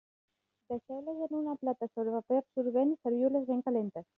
Deixeu-les en una plata sobre paper absorbent i serviu-les ben calentes.